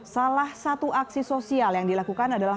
salah satu aksi sosial yang dilakukan adalah